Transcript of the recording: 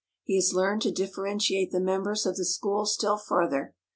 He has learned to differentiate the members of the school still further.